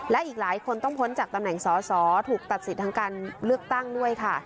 และอีกหลายคนต้องพ้นจากตำแหน่งสอสอถูกตัดสิทธิ์ทางการเลือกตั้งด้วยค่ะ